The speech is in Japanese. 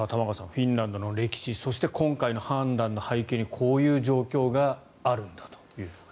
フィンランドの歴史そして、今回の判断の背景にこういう状況があるんだと。